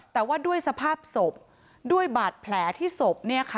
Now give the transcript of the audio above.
แต่ว่าด้วยสภาพศพด้วยบาดแผลที่ศพ